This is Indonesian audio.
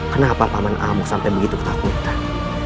kenapa paman amo sampai begitu ketakutan